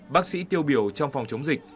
bác sĩ tiêu biểu trong phòng chống dịch